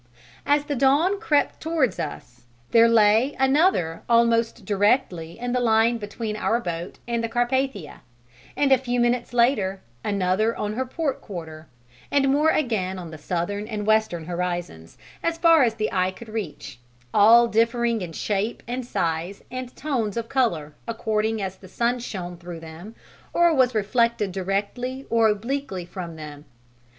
As the dawn crept towards us there lay another almost directly in the line between our boat and the Carpathia, and a few minutes later, another on her port quarter, and more again on the southern and western horizons, as far as the eye could reach: all differing in shape and size and tones of colour according as the sun shone through them or was reflected directly or obliquely from them.